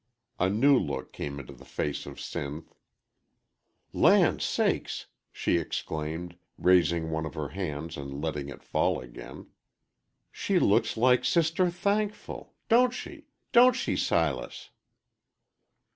A new look came into the face of Sinth. "Land sakes!" she exclaimed, raising one of her hands and letting it fall again; "she looks like Sister Thankful don't she, don't she, Silas?"